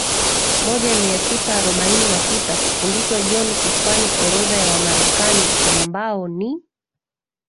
moja mia tisa arobaini na sita kufundishwa John kufanya orodha ya Wamarekani ambao ni